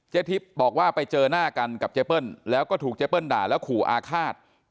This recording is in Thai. ทิพย์บอกว่าไปเจอหน้ากันกับเจเปิ้ลแล้วก็ถูกเจเปิ้ลด่าแล้วขู่อาฆาต